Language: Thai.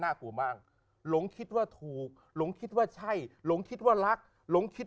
กลัวมากหลงคิดว่าถูกหลงคิดว่าใช่หลงคิดว่ารักหลงคิด